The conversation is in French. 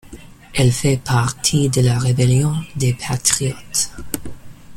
Elle fait partie de la Rébellion des Patriotes.